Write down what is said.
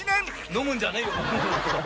「飲むんじゃねえよ！」